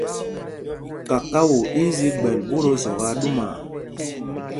Kakao í í zi gbɛl ɓót o Zɔk aa ɗumaa.